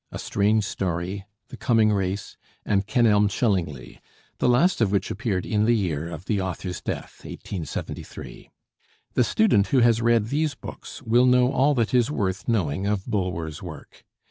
'A Strange Story,' 'The Coming Race,' and 'Kenelm Chillingly,' the last of which appeared in the year of the author's death, 1873. The student who has read these books will know all that is worth knowing of Bulwer's work.